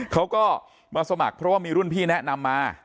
เขาก็มาสมัครเพราะว่ามีรุ่นพี่แนะนำมา